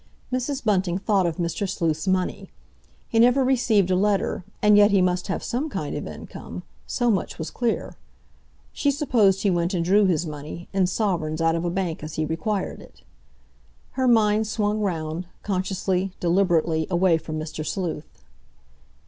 Mrs. Bunting thought of Mr. Sleuth's money. He never received a letter, and yet he must have some kind of income—so much was clear. She supposed he went and drew his money, in sovereigns, out of a bank as he required it. Her mind swung round, consciously, deliberately, away from Mr. Sleuth.